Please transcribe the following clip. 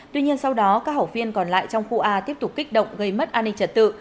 tuy nhiên sau đó các học viên còn lại trong khu a tiếp tục kích động gây mất an ninh trật tự